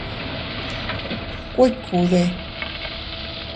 ¿Kuikude?